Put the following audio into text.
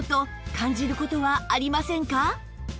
感じる事はありませんか？